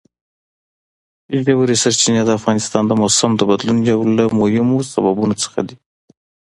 ژورې سرچینې د افغانستان د موسم د بدلون یو له مهمو سببونو څخه ده.